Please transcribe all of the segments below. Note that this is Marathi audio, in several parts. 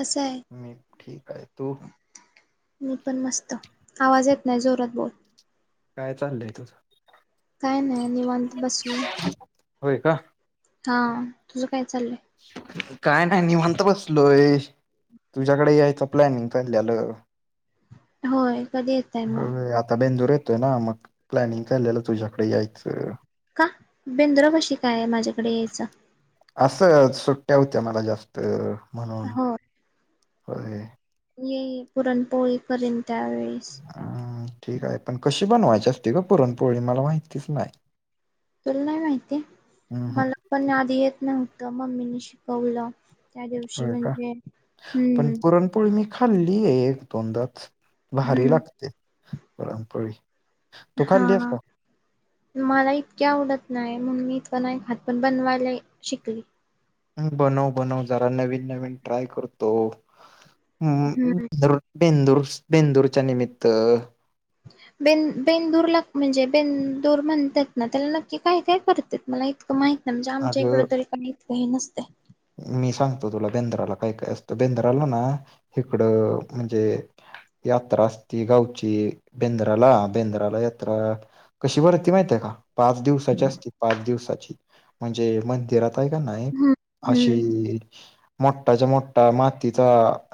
कसं आहे? मी ठीक आहे. तू मी पण मस्त आवाज येत नाय. जोरात बोल काय चाललंय तुझं? काय नाय निवांत बसलोय. होय का. हा तुझं काय चाललंय? काय नाय निवांत बसलोय. तुझ्याकड यायचं प्लॅनिंग चाल्यालं. होय. कधी येताय मग? म्हणून आता बेंदूर येतोय ना मग प्लॅनिंग चाललेलं तुझ्याकड यायचं. का बेंद्रा पाशी काय ये माझ्याकड यायचं? असंच सुट्ट्या होत्या मला जास्त म्हणून हो होय. ये ये पुरणपोळी करीन त्यावेळीस अं, ठीक आहे पण कशी बनवायची असते गं पुराण पोळी मला माहितीच नाय. तुला नाही माहिती. मला पण आधी येत नव्हत मम्मीनी शिकवलं. त्या दिवशी होय का म्हणजे. पण हम्म! पुरणपोळी मी खाल्ली आहे एक दोनदाच भारी हम्म लागते पुरणपोळी. तू हा खाल्ली आहेस का मला इतकी आवडत नाही. म्हणून मी ह नाही खात, पण बनवायला शिकली. बनव-बनव जरा नवीन-नवीन ट्राय करतो. हम्म बेंदूर-बेंदूरच्या निमित्त ब बेंदूर ला म्हणजे बेंदूर म्हणतात ना, त्याला नक्की काय-काय करतात मला? इतकं माहित नाही, म्हणजे आमच्या इकड अगं तरी काही इतक हे नसतय. मी सांगतो तुला, बेंद्राला काय-काय असतं. बेंद्राला ना इकडं म्हणजे- यात्रा असती गावची, बेंद्राला. बेंद्राला यात्रा, कशी भरती माहितीय का? पाच दिवसाची असती पाच दिवसाची. म्हणजे मंदिरात हाय क नाय हम्म हम्म अशी मोठाच्या मोठठा मातीचा,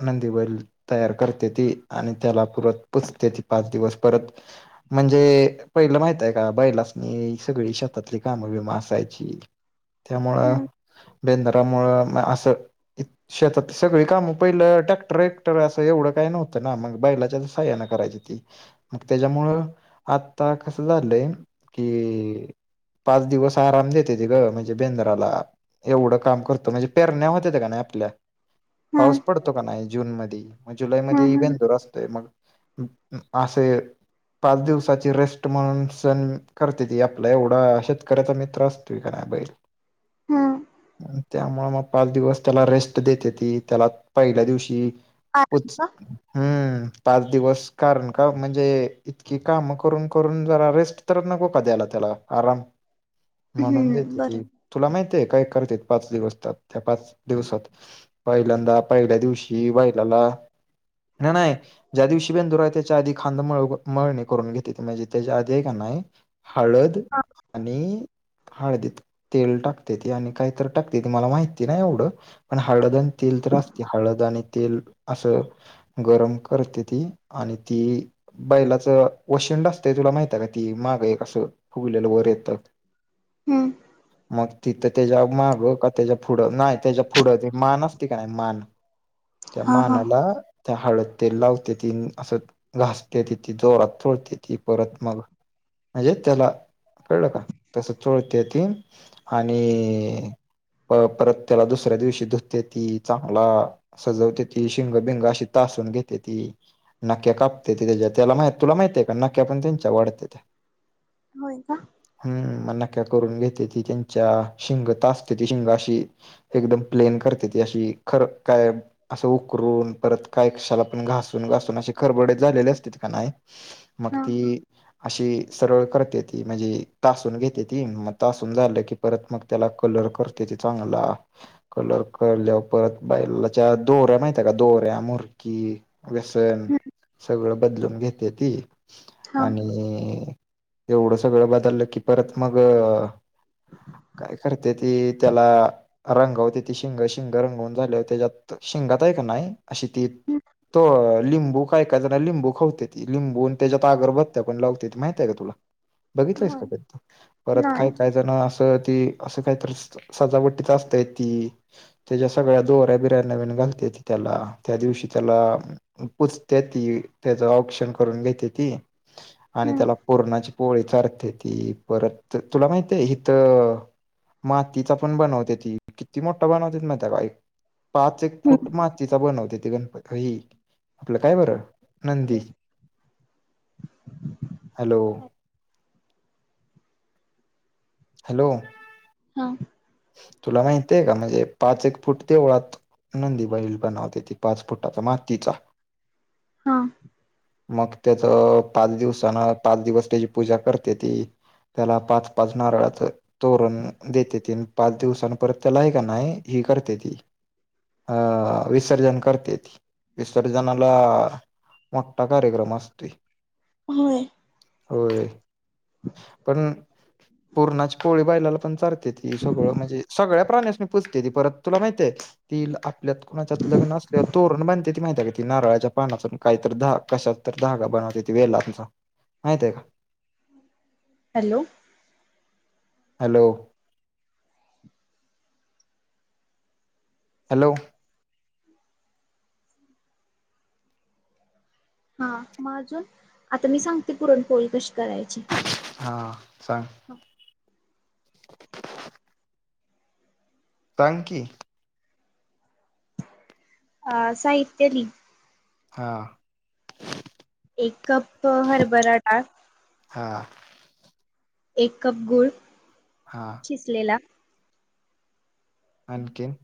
नंदी बैल तयार करतेती आणि त्याला पूजतेती पाच दिवस परत. म्हणजे पहिलं माहितय का बैलासनी सग शेतातली काम बीम असायची. त्यामुळ त्यामुळं असं शेतात सगळी कामं पहिलं टॅक्टर वक्टर असं एवढं काही नव्ह मग बैलाच्या साहाय्याने करायची ते. मग त्याच्यामुळ आता कसं झालंय की- पाच दिवस आराम देत्याती ग. म्हणजे बेंद्राला, एवढं काम करतो. म्हणजे पेरण्या होत्यात का नाही आपल्या पाऊस हम्म पडतो का नाय जून मध्ये. म जुलै हम्म मध्ये हम्म बेंदूर असतोय मग. असं पाच दिवसाची रेस्ट म्हणून सण करतेती आपला एवढा शेतकऱ्याचा मित्र असतोय का हा बैल. हम्म त्यामुळ मग पाच दिवस त्याला रेस्ट देतेती. त्याला पहिल्या दिवशी उच्च हम्म का - हम्म पाच दिवस कारण का म्हणजे. इतकी काम करून करून जरा रेस्ट तरच नको का द्यायला त्याला. आराम म्हणून हम्म बरं देतेती तुला माहित काय करत्यात पाच दिवसात, त्या पाच दिवसात. पहिल्यांदा पहिल्या दिवशी बैलाला ला नाही नाही. ज्या दिवशी बेंदूर आहे त्याच्या आधी खांदा मळू मळणी करून घेतीती. म्हणजे त्याच्या आधी हाय का नाय नय. हळद हा आणि हळदीत तेल टाक ते ती, आणि काही तर टाकते ती, मला माहिती नाही एवढं, पण हळद आणि तेल तर असते. हळद आणि तेल अस गरम करतेती आणि ती बैलाच वशी ंड असते तुला माहित आहे का ती. माग एक असं. फुगलेलं वर येत हम्म मग त्याच्या माग, का त्याच्या पुुढं, नाही त्याच्या पुुढं मान असते का नाही मान त्या हा हा मानाला हळद तेल लावतेती. असं घासतेती. चोळतेती परत मग. म्हणजे त्याला कळलं का, तस चोळतेती. आणि. परत त्याला दुसऱ्या दिवशी धुततेती. चांगला सजवतेती, शिंग- बिंग अशी ता तासून घेतेती. नाक्या कापतेती. त्याज्या मा तुला माहिते का नक्या पण त्यांच्या वाढतेत्या. होय का हम्म मग नक्या करून घेतेती त्यांची. ज्या शिंग तासतेती, शिंग अशी एकदम प्लेन करतेती, अशी खर काय असं उकरून, परत काय क्षाला पण घासून-घासून असे खरबडेत झालेले असते का नाही. मग हा ती अशी सरळ करत्यातीती, म्हणजे तासून घेतेत्याती, मग तासून झालं की परत मग त्याला कलर करतेती, चांगला कलरकेल्यावर परत बैलाच्या दोन दोऱ्या माहित आहे का दोऱ्या, मुर्की, व्यसन, हम्म सगळं बदलून घेते ती हा आणि एवढं सगळं बदललं की परत मग, ह काय करते ती त्याला रंगवते ती शिंग शिंग रंगवून झाले हो त्याच्यात शिंगात का हाय का नाही हम्म लिंबू तेन काय काय लिंबू खावते ती लिंबून त्याच्यात आगर भत्त्या पण लावते माहितय का तुला, बघितलंयस होय का फ परत नाही काय काय जण अस, अस काहीत सजावटी असतय ती त्याच्या सगळ्या दोऱ्या बिर्य नवीन. बगते त त्याला त्या दिवशी त्याला पुजते ती त्याच ऑप्शन करून घेते ती, आणि हम्म त्याला परणाची पोळीचा चारत्या ती परत तुला माहितय ह तर मातीचा पण बनवते ती किती मोठा बनवतेेत माहित आहे बाई. पाच एक हम्म फूट मातीचा बनवत्याती गणपती ह आपलं काय बरं नंदी हॅलो! हॅलो! हा. तुला माहिती आहे का? म्हणजे पाच एक फूट देवळात. नंदी बैल बनवते ती पाच फुटाचा मातीचा. हा. मग त्याच पाच दिवसाना पाच दिवस त्याची पूजा करते ती, त्याला पाच पाच नारळात तोरण देते ती, पाच दिवसां परत त्याला आहे का नाही ही करते ती, अं विसर्जन करते ती विसर्जनाला मोठठा कार्यक्रम असतोय. होय. होय. पण पूर्णाची पोळी बायलाला पण चारते ती, सगळं म्हणजे सगळ्या प्राणीस मी पूजते ती परत तुला माहतीय ती आपल्यात कुणाच्या लग्न असल्या तोरण बनते ती माहिती का क ती नारळाच्या पानाच काही तर धागा कशात तर धगा बन ह तिथती वेळ ला तमचा माहित आहे का? हॅलो! हॅलो! हॅलो! हा मग अजून आता मी सांगते पुरणपोळी कशी हा सांग. सांग की. अ साहित्य लि, हा एक कप हर्बल डाळ, हा. एक कप गुळ हा किसलेला, आणनखीन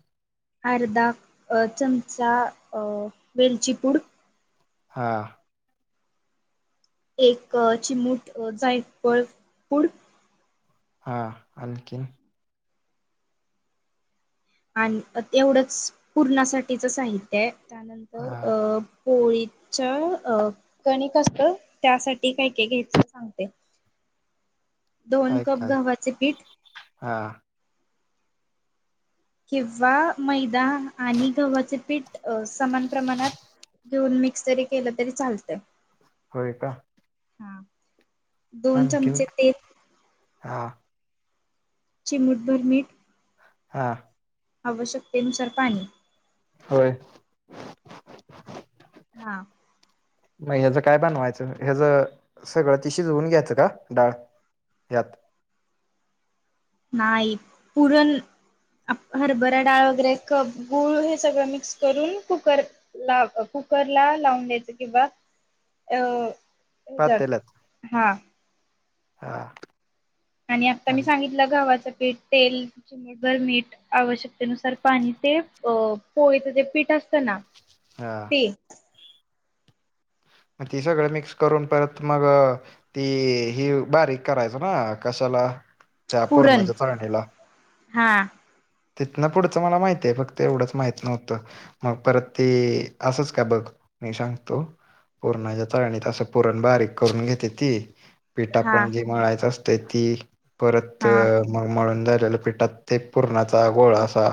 अर्धा चमचा वेलचीपूड, हा. एक चिमूट जाई पळ पूड, हा आणखीन. आणि एवढंच पूर्णासाठीचं साहित्य आहे त्यानंतर हा अं पोळीच्या अ कणिक असत त्यासाठी काय काय घ्यालं सांगते. दोन काय कप काय ग्हाचे पीठ, हा किंवा मैदा आणि गव्हाचे पीठ समान प्रमाणात, घेऊन मिक्स जरी केलं तरी चालत. होय का? हा दोन आणखीन चमचे तेल हा. चिमुटभर मीठ हा. आवश्यकतेनुसार पाणी होय. हा. नाही ह्याचं काय बनवायचं ह्याच सगळं ति शिजवून घ्यायचं का डाळ हात. नाही पुरण हरभरा डाळ वगैरे कप गूळ हे सगळं मिक्स करून कुकर ला. कुकर ला लावून द्यायच किंवा अच्या पातेल्यात हा. हा. आणि आता मी सांगितलं गवा्हाचं पीठ तेल चिमट भर मीठ आवश्यक त्यानुसार पाणी ते अ पोळीच जे पीठ असत ना हा ते मग ती सगळं मिक्स करून परत मग ती हि बारीक करायच ना कशाला? त्या पुरण पूर्णाच्या चाळणीला हा तिथ ना पुढचं मला माहित आहे फक्त एवढंच माहित नव्हतं मग परत ते असच का बघ. मी सांगतो पुरणाच्या तळणीतं पुरण बारीक करून घेते ती पिठा हा पण जी मळायच असते ती परत हा म मळून झाली. पात ते पर्णाचा गो असा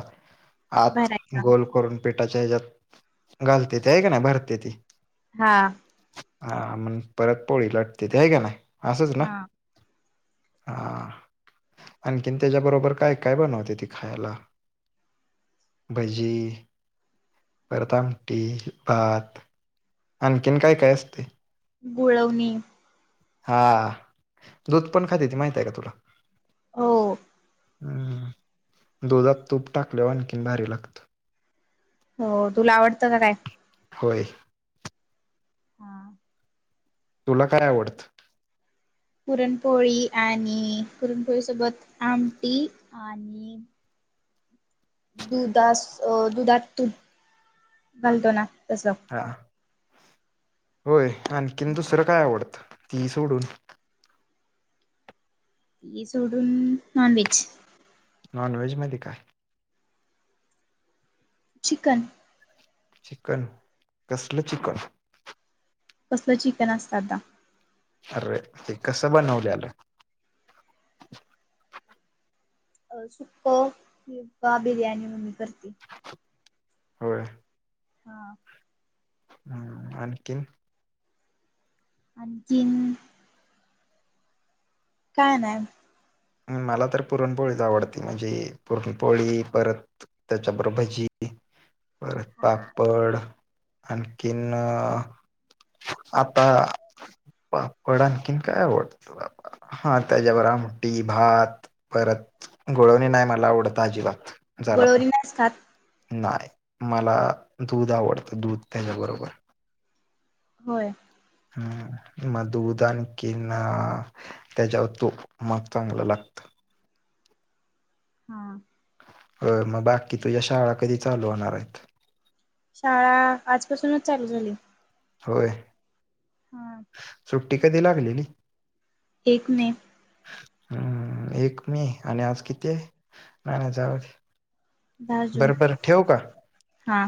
आात भरायचा गोल करून पेटाच्या ह्याच्यात घालते ते आहे का ना भरते ती हा. हा मग परत पोळी लटते ते ह का नाही असंच ना. हा हा आणखीन त्याच्याबरोबर काय काय बनवते त खाला भजी परतामटी भात आणखीन काय काय असते. घुळवणे. हा दूध पण खाताती ती माहितय का तुला हो हम्म दुधात तूप टाकलेवर आणखीन भारी लागत. हो तुला आवडतं का काय? होय. हा. तुला काय आवडत? पुरणपोळी आणि पुरणपोळी सोबत आमटी आणि दुधास अ दुधात तूध घालतो ना. तसं हा होय आणखीन दुसरं काय आवडतं? तीही सोडून? ती सोडून नॉनवेज. नॉन व्हेज मध्ये काय? चिकन चिकन, कसलं चिकन? कसलं चिकन असत आता? अरे ते कसं बनवलेलं? अ सुक बिर्याणी मम्मी करती. होय. हा हम् आणखीन? आणखीन काय नाय. मला तर पुरणपोळीच आवडती म्हणजे पुरणपोळी परत त्याच्याबरोबर भजी [inaudible] परत हा पापड आणखीन आता पापड आणखीन काय आवडत? बा हा त्याच्या बरोबर आ आमटी, भात, परत गुळवणी नाही मला आवडत अजिबात. गुळवणी नाहीस खात? नाय मला दूध आवडत दूध त्याच्याबरोबर होय. हम् मग दुध आणखीन त्याच्यावर तूप मग चांगलं लागत. ह [inaudible] हा हो मग बाकी तुझ्या शाळा कधी चालू होणार आहेत? शाळा आजपासूनच चालू झाली. होय. हम सुट्टी कधी लागलेली? एक मे हम्म एक मे आणि आज किती आहे नाय नाय जाऊदे. दहा जून बरं बरं ठेऊ का? हा